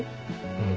うん。